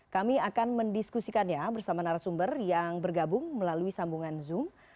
kami akan mendiskusikannya bersama narasumber yang bergabung melalui sambungan zoom